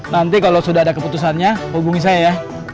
nanti kalau sudah ada keputusannya hubungi saya ya